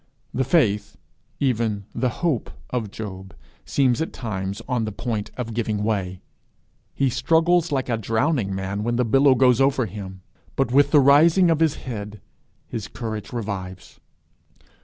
The faith, even the hope of Job seems at times on the point of giving way; he struggles like a drowning man when the billow goes over him, but with the rising of his head his courage revives.